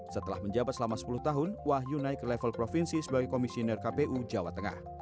setelah menjabat selama sepuluh tahun wahyu naik ke level provinsi sebagai komisioner kpu jawa tengah